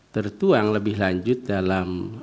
tertuang lebih lanjut dalam